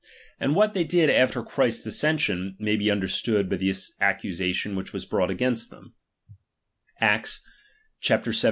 And what they did after Christ's ascen sion, may be understood by the accusation which was brought against them (Acts xvii.